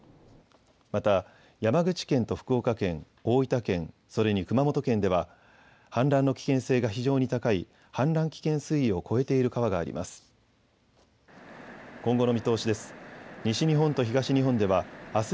また山口県と福岡県、大分県、それに熊本県では氾濫の危険性が非常に高い氾濫危険水位を超えている川があります。